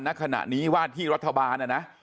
ณขณะนี้ว่าที่รัฐบาลนะนะ